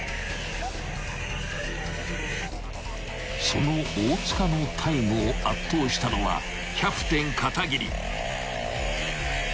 ［その大塚のタイムを圧倒したのはキャプテン片桐］